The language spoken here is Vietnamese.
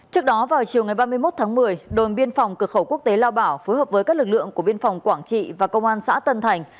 trước đó vào chiều ngày ba mươi một tháng một mươi đồn biên phòng cửa khẩu quốc tế lao bảo phối hợp với các lực lượng của biên phòng quảng trị và công an xã tân thành